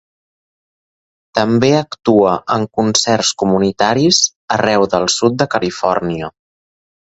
També actua en concerts comunitaris arreu del sud de Califòrnia.